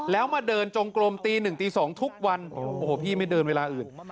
แล้วมาเดินจงกลมตี๑ตี๒ทุกวันโอ้โหพี่ไม่เดินเวลาอื่น